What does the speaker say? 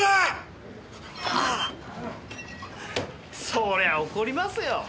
そりゃあ怒りますよ。